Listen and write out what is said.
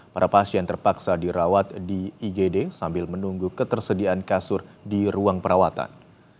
para pasien terpaksa dirawat di igd sambil menunggu ketersediaan kasur di ruang perawatan